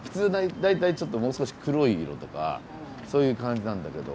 大体ちょっともう少し黒い色とかそういう感じなんだけど。